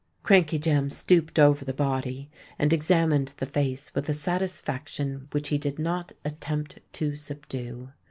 Crankey Jem stooped over the body, and examined the face with a satisfaction which he did not attempt to subdue.